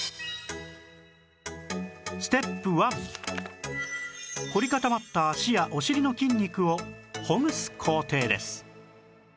ステップ１こり固まった脚やお尻の筋肉をほぐす工程です